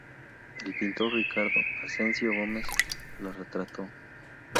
El pintor Ricardo Asensio Gómez la retrató.